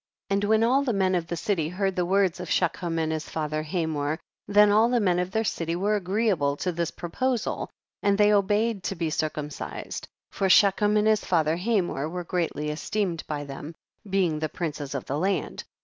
50. And when all the men of the city heard the words of Shechem and his father Hamor, then all the men of their city were agreeable to this proposal, and they obeyed to be circumcised, for Shechem and his father Hamor were greatly esteemed by them, being the princes of the land.